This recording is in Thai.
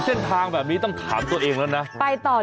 เจอทั้งป่าเจอทั้งน้ำ